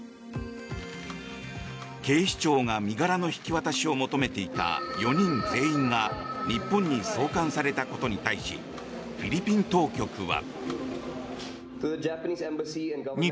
警視庁が身柄の引き渡しを求めていた４人全員が日本に送還されたことに対しフィリピン当局は。